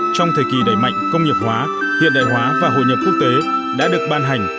trong thời kỳ đẩy mạnh công nghiệp hóa hiện đại hóa và hội nhập quốc tế đã được ban hành